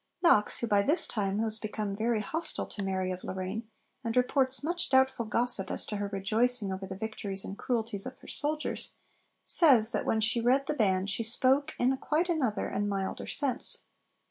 Knox, who by this time was become very hostile to Mary of Lorraine, and reports much doubtful gossip as to her rejoicing over the victories and cruelties of her soldiers, says that when she read the Band, she spoke in quite another and milder sense.